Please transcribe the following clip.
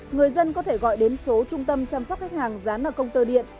người dân có thể gọi đến số trung tâm chăm sóc khách hàng dán ở công tơ điện